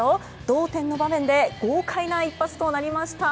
同点の場面で豪快な一発となりました。